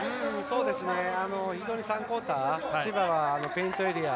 ３クオーター千葉はペイントエリア。